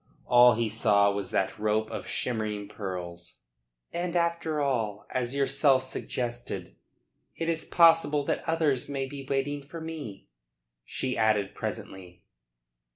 All he saw was that rope of shimmering pearls. "And after all, as yourself suggested, it is possible that others may be waiting for me," she added presently.